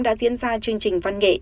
đã diễn ra chương trình văn nghệ